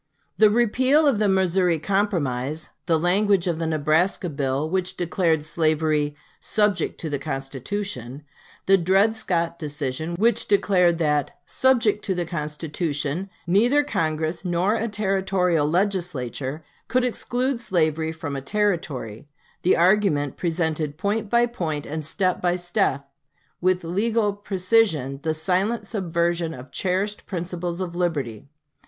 The repeal of the Missouri Compromise, the language of the Nebraska bill, which declared slavery "subject to the Constitution," the Dred Scott decision, which declared that "subject to the Constitution" neither Congress nor a Territorial Legislature could exclude slavery from a Territory the argument presented point by point and step by step with legal precision the silent subversion of cherished principles of liberty.